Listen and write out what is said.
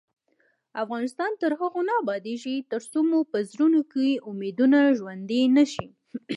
افغانستان تر هغو نه ابادیږي، ترڅو مو په زړونو کې امیدونه ژوندۍ نشي.